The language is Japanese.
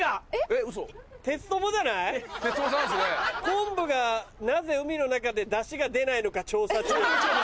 「昆布がなぜ海の中で出汁が出ないのか調査中」。